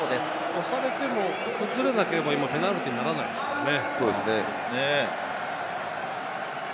押されても崩れなければ、今ペナルティーにならないですからね。